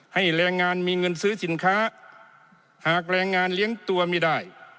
ให้แรงงานมีเงินซื้อสินค้าหากแรงงานเลี้ยงตัวไม่ได้